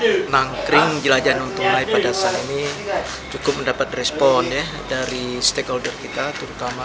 saya kira cara menangkring jelajah non tunai pada saat ini cukup mendapat respon dari stakeholder kita terutama pemerintah daerah kemudian para blogger dan mahasiswa